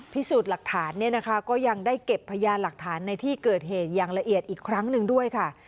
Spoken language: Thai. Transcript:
พิสูจน์หลักฐานเนี่ยนะคะก็ยังได้เก็บพยานหลักฐานในที่เกิดเหตุอย่างละเอียดอีกครั้งหนึ่งด้วยค่ะ